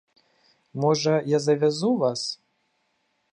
Можа, як завязу вас.